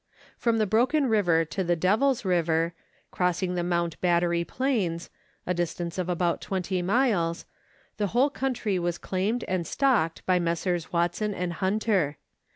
From the Broken River to the Devil's River, crossing the Mount Battery plains, a distance of about 20 miles, the whole country was claimed and stocked by Messrs. Watson and Hunter.